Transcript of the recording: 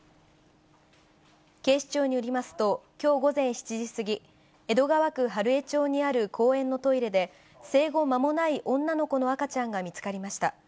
警視庁によりますと、きょう午前７時過ぎ、江戸川区春江町にある公園のトイレで、生後間もない女の子の赤ちゃんが見つかりました。